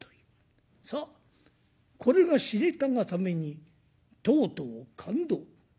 さあこれが知れたがためにとうとう勘当。